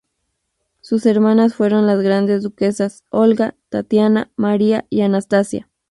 Sus hermanas fueron las grandes duquesas Olga, Tatiana, María y Anastasia.